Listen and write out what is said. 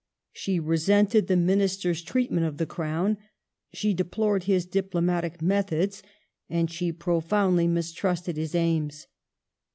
She resented theandum Minister's treatment of the Crown ; she deplored his diplomatic methods ; and she profoundly mistrusted his aims.